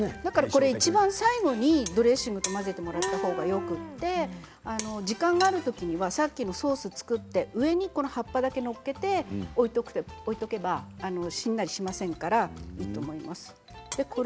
いちばん最後にドレッシングと混ぜてもらったほうがよくて時間があるときにはさっきのソースを作って上に葉っぱだけ載っけて置いておくとしんなりしませんからいいと思います。